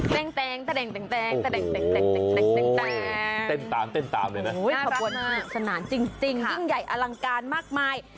เต้นตามเต้นตามเลยนะสนานจริงจริงจริงใหญ่อลังการมากมาย